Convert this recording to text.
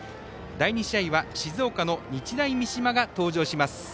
第２試合は静岡の日大三島が登場します。